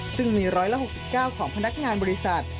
ซึ่งมี๑๖๙ของพนักงานบริษัท